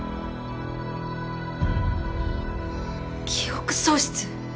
記憶喪失？